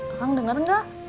akang denger gak